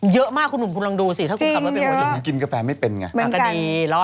เยอะมากคุณหนุ่มคุณลองดูสิถ้าคุณขับแล้วเป็นว่ายุ่งจริงเยอะ